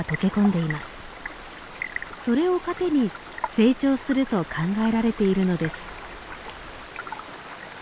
それを糧に成長すると考えられているのです。